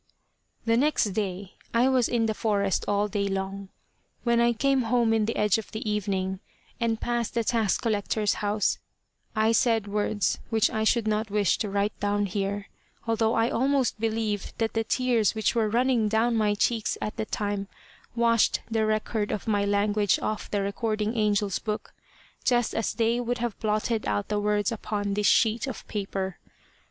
The next day I was in the forest all day long. When I came home in the edge of the evening, and passed the tax collector's house, I said words which I should not wish to write down here, although I almost believe that the tears which were running down my cheeks at the time washed the record of my language off the recording angel's book, just as they would have blotted out the words upon this sheet of paper.